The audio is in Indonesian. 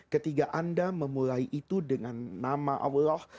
ketika anda memulai itu dengan nama allah